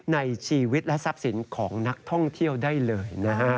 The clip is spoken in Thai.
ในชีวิตและทรัพย์สินของนักท่องเที่ยวได้เลยนะฮะ